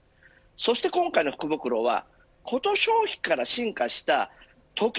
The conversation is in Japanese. そして今回の福袋はコト消費から進化したトキ